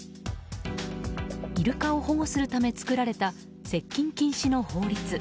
イルカを保護するため作られた接近禁止の法律。